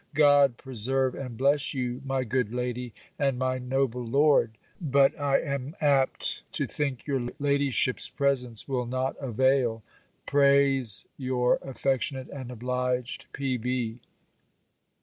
God preserve and bless you, my good lady, and my noble lord! (but I am apt to think your ladyship's presence will not avail), prays your affectionate and obliged, P.